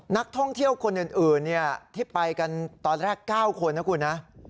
นักท่องเที่ยวคนอื่นที่ไปกันตอนแรก๙คนนะคุณนะ